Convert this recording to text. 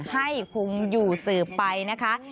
ให้คงอยู่สืบไปนะคะ